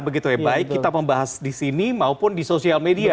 baik kita membahas disini maupun di sosial media